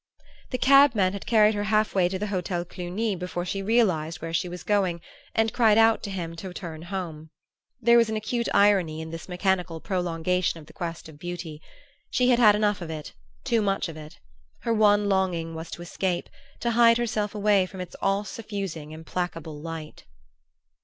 The cabman had carried her half way to the Hotel Cluny before she realized where she was going, and cried out to him to turn home. There was an acute irony in this mechanical prolongation of the quest of beauty. She had had enough of it, too much of it; her one longing was to escape, to hide herself away from its all suffusing implacable light.